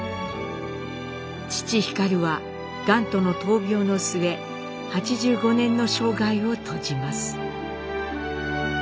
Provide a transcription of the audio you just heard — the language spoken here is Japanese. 父皓はがんとの闘病の末８５年の生涯を閉じます。